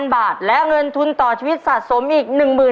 ๕๐๐๐บาทแล้วเงินทุนต่อชีวิตสะสมอีก